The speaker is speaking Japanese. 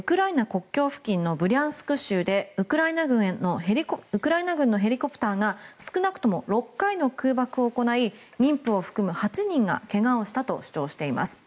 国境付近のブリャンスク州でウクライナ軍のヘリコプターが少なくとも６回の空爆を行い妊婦を含む８人がけがをしたと主張しています。